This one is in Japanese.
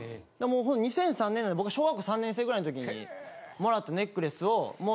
２００３年なんで僕が小学校３年生ぐらいのときにもらったネックレスをもう。